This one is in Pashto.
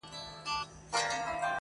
په روغتون کي شل پنځه ویشت شپې دېره سو.!